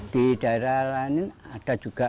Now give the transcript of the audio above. di daerah lain ada juga